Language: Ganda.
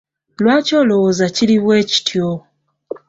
Lwaki olowooza kiri bwekityo?